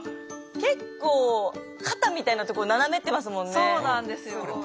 結構肩みたいなとこ斜めってますもんね。